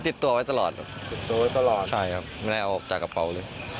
ติดตัวไว้ตลอดครับใช่ครับไม่ได้เอาอบจากกระเป๋าเลย